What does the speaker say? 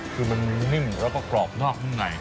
คือมันนิ่มแล้วก็กรอบนอกนุ่มใน